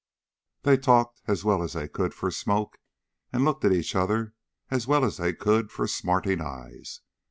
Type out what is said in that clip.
They talked, as well as they could for smoke, and looked at each other as well as they could for smarting eyes.